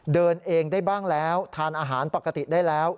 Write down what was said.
เดินเองได้บ้างแล้วทานอาหารปกติได้แล้ว